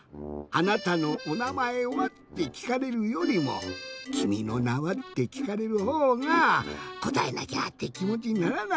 「あなたのおなまえは？」ってきかれるよりも「君の名は。」ってきかれるほうがこたえなきゃってきもちにならない？